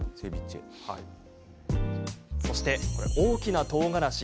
そして、大きなとうがらし。